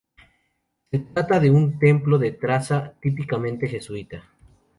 Se trata de un templo de traza típicamente jesuítica.